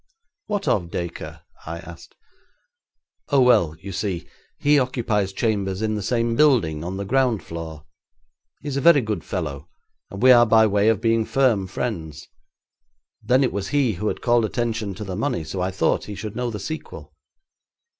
'What of Dacre?' I asked. 'Oh, well, you see, he occupies chambers in the same building on the ground floor. He is a very good fellow, and we are by way of being firm friends. Then it was he who had called attention to the money, so I thought he should know the sequel.'